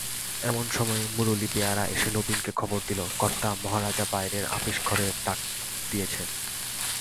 এমন সময় মুরলী বেয়ারা এসে নবীনকে খবর দিলে, কর্তা-মহারাজা বাইরের আপিসঘরে ডাক দিয়েছেন।